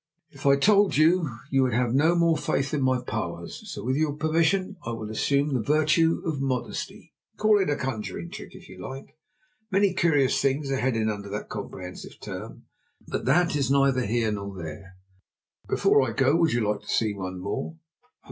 "If I told you, you would have no more faith in my powers. So with your permission I will assume the virtue of modesty. Call it a conjuring trick, if you like. Many curious things are hidden under that comprehensive term. But that is neither here nor there. Before I go would you like to see one more?"